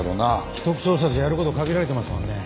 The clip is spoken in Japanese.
秘匿捜査じゃやれる事限られてますもんね。